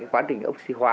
quá trình oxy hóa